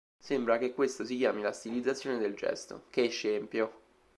Sembra che questo si chiami la "stilizzazione del gesto"...che scempio!".